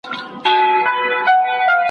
سو خبر د خپل نصیب له درانه سوکه `